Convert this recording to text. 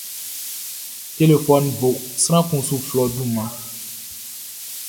Telefɔnunʼn bo, sran kun su flɛ ɔ dunmanʼn.